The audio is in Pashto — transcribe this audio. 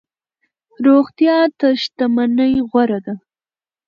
روغتيا تر شتمنۍ غوره ده.